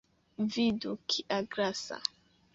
Vidu, kia grasa!